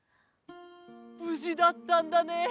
ぶじだったんだね！